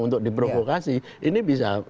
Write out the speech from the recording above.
untuk diprovokasi ini bisa